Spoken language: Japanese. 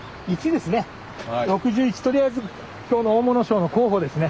とりあえず今日の大物賞の候補ですね。